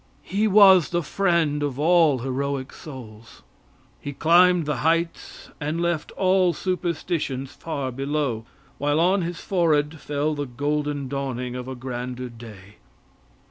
He was the friend of all heroic souls. He climbed the heights and left all superstitions far below, while on his forehead fell the golden dawning of a grander day.